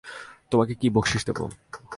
তোমাকে কী বকশিশ দেব।